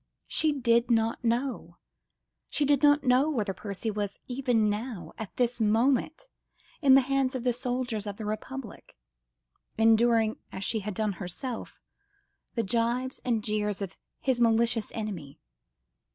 She did not know!— She did not know whether Percy was even now, at this moment, in the hands of the soldiers of the Republic, enduring—as she had done herself—the gibes and jeers of his malicious enemy.